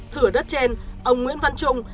thửa đất trên ông nguyễn văn trung